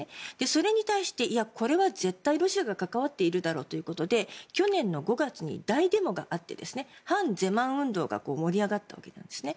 それに対して、これは絶対にロシアが関わっているだろうということで去年の５月に大デモがあって反ゼマン運動が盛り上がったんですね。